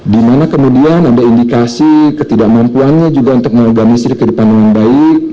di mana kemudian ada indikasi ketidakmampuannya juga untuk mengalami ciri kepribadian yang baik